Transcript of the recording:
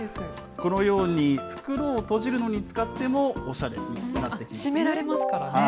このように、袋をとじるのに使ってもおしゃれになってきますしめられますからね。